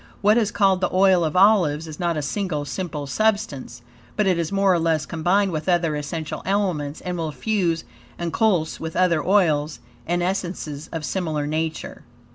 What is called the oil of olives is not a single, simple substance, but it is more or less combined with other essential elements, and will fuse and coalesce with other oils and essences of similar nature.